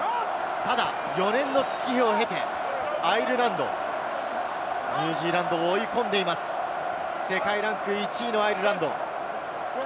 ただ４年の月日を経て、アイルランド、ニュージーランドを追い込んでいます、世界ランク１位のアイルランド。